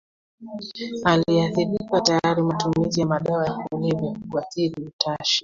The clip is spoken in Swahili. aliyeathirika tayari Matumizi ya madawa ya kulevya huathiri utashi